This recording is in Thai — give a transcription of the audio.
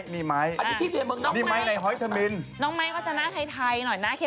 นั่นไม้พี่ลมพอเหรอ